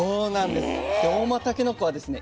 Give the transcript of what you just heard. で合馬たけのこはですね